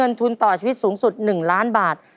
ทุนต่อชีวิตสูงสุด๑ล้านบาท